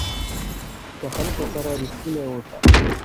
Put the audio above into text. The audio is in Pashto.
د خلکو سره رښتینی اوسه.